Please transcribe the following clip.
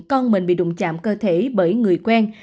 con mình bị đụng chạm cơ thể bởi người quen